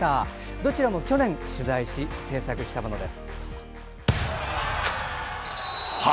どちらも去年取材し制作したものです。